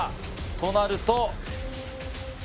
となると。